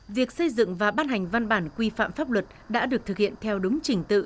việc xây dựng và bát hành văn bản quy phạm pháp luật đã được thực hiện theo đúng trình tự